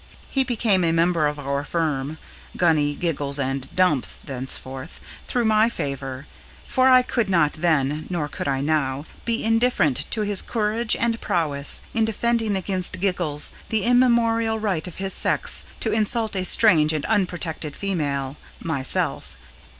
He became a member of our firm "Gunny, Giggles, and Dumps," thenceforth through my favor; for I could not then, nor can I now, be indifferent to his courage and prowess in defending against Giggles the immemorial right of his sex to insult a strange and unprotected female myself.